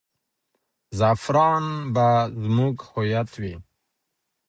زعفران به زموږ هویت وي.